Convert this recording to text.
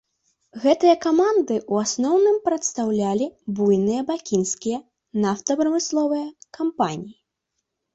Гэтыя каманды ў асноўным прадстаўлялі буйныя бакінскія нафтапрамысловыя кампаніі.